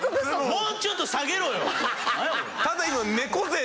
もうちょい下げろよ！